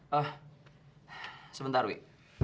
hah sebentar wi